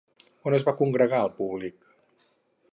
On es va congregar el públic?